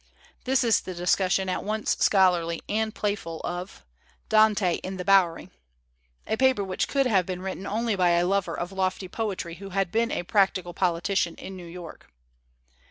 This is the dis cussion at once scholarly and playful of 'Dante in the Bowery' a paper which could have been written only by a lover of lofty poetry who had been a practical politician in New York.